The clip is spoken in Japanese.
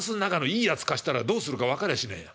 貸したらどうするか分かりゃしねえよ。